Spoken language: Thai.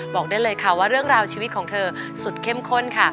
บอกได้เลยค่ะว่าเรื่องราวชีวิตของเธอสุดเข้มข้นค่ะ